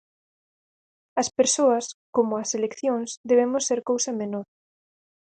As persoas, como as eleccións, debemos ser cousa menor.